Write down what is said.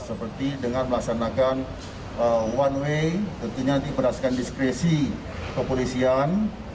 seperti dengan melaksanakan one way berdasarkan diskresi kepolisian